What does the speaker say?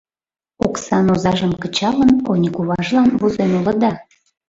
Оксан озажым кычалын, оньыкуважлан возен улыда.